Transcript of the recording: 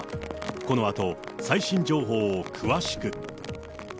このあと最新情報を詳しく。